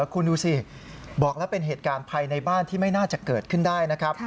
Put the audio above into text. คุณดูสิบอกแล้วเป็นเหตุการณ์ภายในบ้านที่ไม่น่าจะเกิดขึ้นได้นะครับ